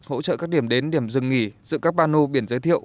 hỗ trợ các điểm đến điểm dừng nghỉ dựng các bà nô biển giới thiệu